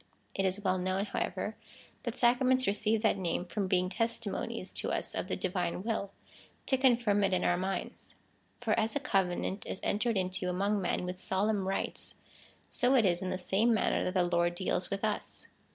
It is well kno^vn, however, that sacraments receive that name, from being testimonies to us of the divine will, to confirm^ it in our minds. For as a covenant is entered into among men with solemn rites, so it is in the same manner that the Lord deals with us.